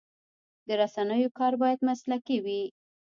د رسنیو کار باید مسلکي وي.